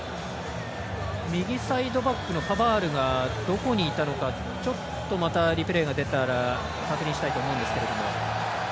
右サイドバックのパバールどこにいたのかリプレーが出たら確認したいと思うんですけども。